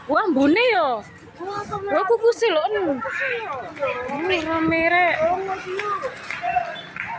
warga kelurahan ngeplak di kecamatan panggung rejo